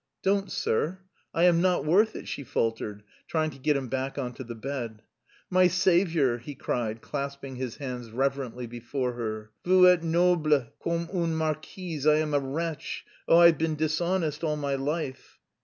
"Don't, sir, I am not worth it," she faltered, trying to get him back on to the bed. "My saviour," he cried, clasping his hands reverently before her. "Vous êtes noble comme une marquise! I I am a wretch. Oh, I've been dishonest all my life...."